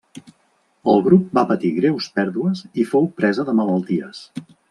El grup va patir greus pèrdues i fou presa de malalties.